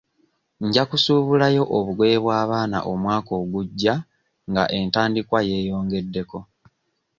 Nja kusuubulayo obugoye bw'abaana omwaka ogujja nga entandikwa yeeyongeddeko.